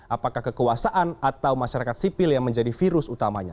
apakah kekuasaan atau masyarakat sipil yang menjadi virus utamanya